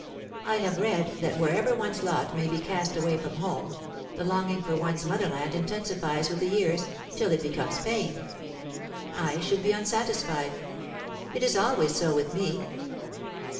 I have read that wherever one's lot may be cast away from home, the longing for one's motherland intensifies with the years, till it becomes pain. I should be unsatisfied. It is always so with me.